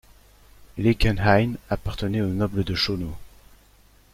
Linckenheim appartenait aux nobles de Schœnau.